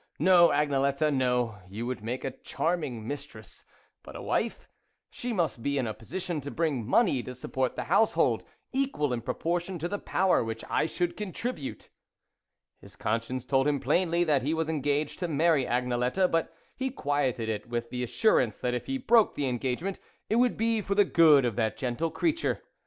No, Agnelette, no ! You would make a charming mistress ; but, a wife she must be in a position to bring money to support the household, equal in proportion to the power which I should contribute." His conscience told him plainly that he was engaged to marry Agnelette ; but he quieted it with, the assurance that if he broke the engagement, it would be for the good of that gentle creature.